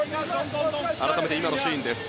改めて今のシーンです。